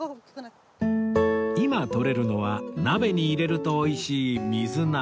今とれるのは鍋に入れると美味しい水菜